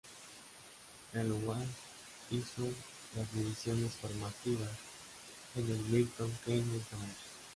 Galloway hizo las divisiones formativas en el Milton Keynes Dons.